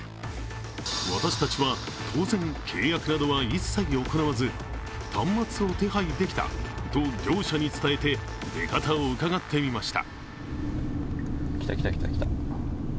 私たちは当然、契約などは一切行わず、端末を手配できたと業者に伝えて出方をうかがってみました。